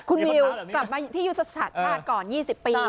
คุณวิวกลับมาที่ยุทธศาสตร์ชาติก่อน๒๐ปี